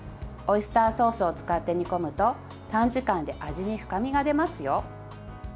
オイスターソースを使って煮込むと短時間で味に深みが出ますよ。